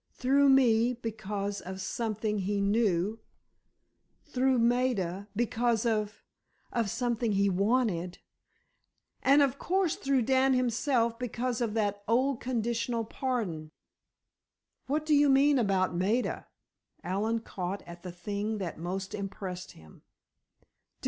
"Through me, because of something he knew; through Maida—because of—of something he wanted; and, of course, through Dan himself, because of that old conditional pardon." "What do you mean about Maida?" Allen caught at the thing that most impressed him.